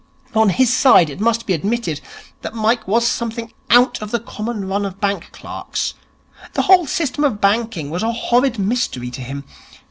On his side, it must be admitted that Mike was something out of the common run of bank clerks. The whole system of banking was a horrid mystery to him.